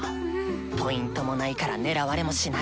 Ｐもないから狙われもしない。